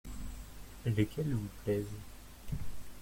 Lesquels vous plaisent ?